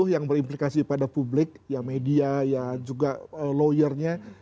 dua puluh yang berimplikasi pada publik media juga lawyernya